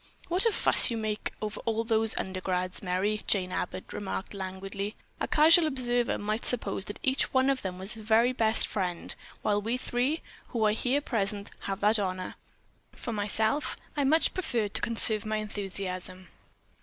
"What a fuss you make over all those undergrads, Merry," Jane Abbott remarked languidly. "A casual observer might suppose that each one of them was a very best friend, while we three, who are here present, have that honor. For myself, I much prefer to conserve my enthusiasm."